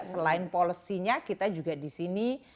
selain policy nya kita juga disini